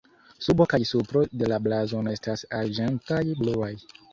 Subo kaj supro de la blazono estas arĝentaj-bluaj.